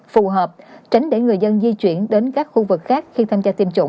phù hợp tránh để người dân di chuyển đến các khu vực khác khi tham gia tiêm chủng